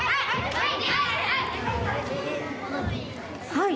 はい。